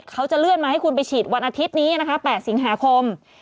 เขาจะเลื่อนมาให้คุณไปฉีดวันอาทิตย์นี้นะคะ๘สิงหาคม